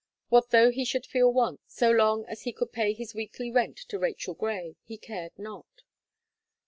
What though he should feel want, so long as he could pay his weekly rent to Rachel Gray, he cared not.